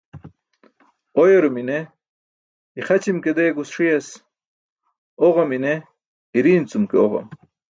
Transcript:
Oyarum i̇ne ixaćim ke deegus ṣi̇yas, oġam i̇ne i̇ri̇i̇n cum ke oġam.